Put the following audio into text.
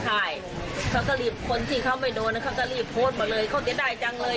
คนที่เขาไม่โดนเขาก็รีบโพสต์มาเลยเขาเรียนได้จังเลย